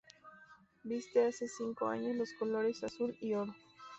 Viste hace cinco años los colores azul y oro.